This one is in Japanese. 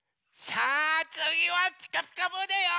さあつぎは「ピカピカブ！」だよ！